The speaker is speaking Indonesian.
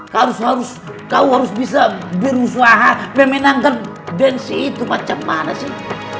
kamu harus kau harus bisa berusaha memenangkan bensi itu macam mana sih